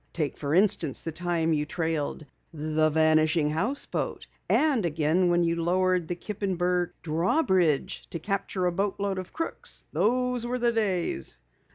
"Take for instance the time you trailed the Vanishing Houseboat, and again when you lowered the Kippenberg drawbridge to capture a boatload of crooks! Those were the days!"